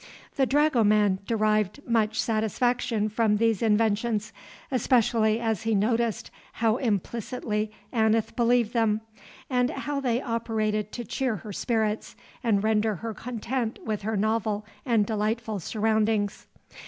The dragoman derived much satisfaction from these inventions, especially as he noticed how implicitly Aneth believed them, and how they operated to cheer her spirits and render her content with her novel and delightful surroundings.